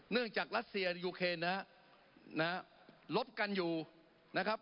จากรัสเซียยูเคนนะฮะลบกันอยู่นะครับ